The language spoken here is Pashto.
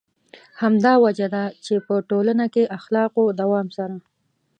همدا وجه ده چې په ټولنه کې اخلاقو دوام سره.